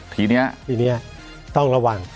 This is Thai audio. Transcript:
ทีนี้ทีนี้ต้องระวัง